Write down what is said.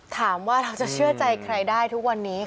ถามว่าเราจะเชื่อใจใครได้ทุกวันนี้